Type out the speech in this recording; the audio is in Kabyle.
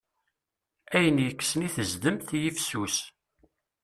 Ayen yekksen i tezdemt, yifsus.